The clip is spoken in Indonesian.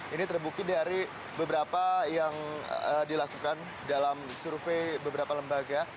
ini terbukti dari beberapa yang dilakukan dalam survei beberapa lembaga